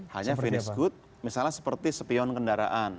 hanya finish good misalnya seperti sepion kendaraan